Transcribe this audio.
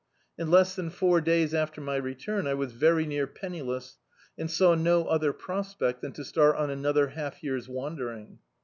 In less than four days after my return, I was very near penni less, and saw no other prospect than to start on another half year's wandering.